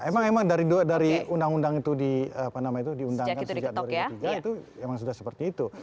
emang emang dari undang undang itu diundangkan sejak dua ribu tiga itu emang sudah seperti itu